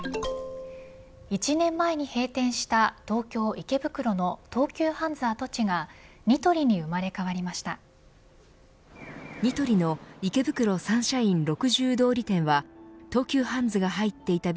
１年前に閉店した東京、池袋の東急ハンズ跡地がニトリに生まれ変わりました。